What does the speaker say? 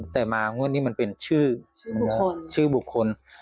แต่มางวดนี้มันเป็นชื่อบุคคล